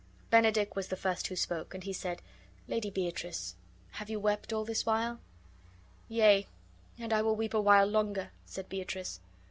Benedick was the first who spoke, and he said, "Lady Beatrice, have you wept all this while?" "Yea, and I will weep awhile longer," said Beatrice.